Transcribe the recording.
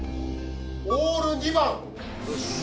オール２番